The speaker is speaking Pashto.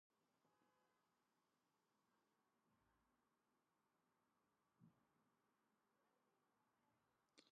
قرض د ژوند ارامتیا اخلي.